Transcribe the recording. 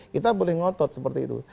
kita boleh ngotot seperti itu